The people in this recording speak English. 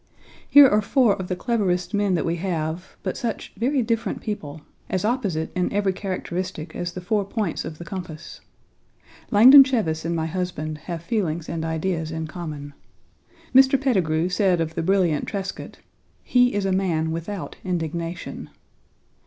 Here are four of the cleverest men that we have, but such very different people, as opposite in every characteristic as the four points of the compass. Langdon Cheves and my husband have feelings and ideas in common. Mr. Petigru, 3 said of the brilliant Trescott: "He is a man without indignation."